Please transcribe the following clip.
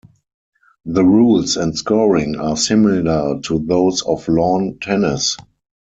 The rules and scoring are similar to those of lawn tennis.